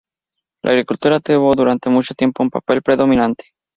La agricultura tuvo durante mucho tiempo un papel predominante.